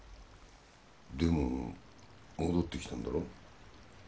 でも戻ってきたんだろ？